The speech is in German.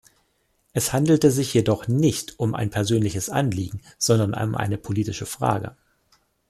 Es handelte sich jedoch nicht um ein persönliches Anliegen, sondern um eine politische Frage.